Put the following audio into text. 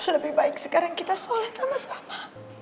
lebih baik sekarang kita solid sama sama